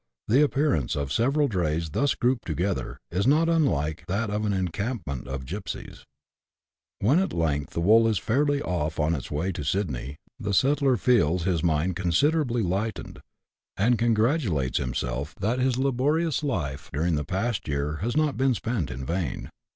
The ap pearance of several drays, thus grouped together, is not unlike that of an encampment of gipsies. 50 BUSH LIFE IN AUSTRALIA. [chap. v. When at length the wool is fairly off on its way to Sydney the settler feels his mind considerably lightened, and congra tulates himself that his laborious life during the past year has not been spent in vain.